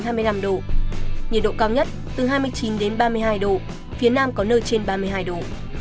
nhiệt độ cao nhất từ hai mươi chín đến ba mươi hai độ phía nam có nơi trên ba mươi hai độ